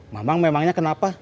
mamang memangnya kenapa